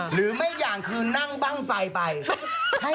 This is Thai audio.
หรือไม่อย่างคือนั่งบ้างไฟไป